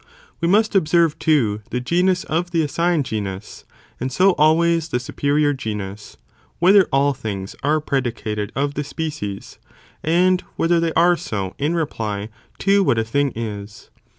We must observe too the genus of the assigned ong, Examine genus, and so always the superior genus, whether [he genus to' all things are predicated of the species, and signed genus whether they are so in reply to what a thing is